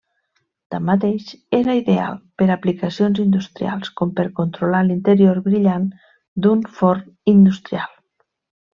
Tanmateix, era ideal per aplicacions industrials, com per controlar l'interior brillant d'un forn industrial.